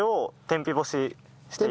天日干し。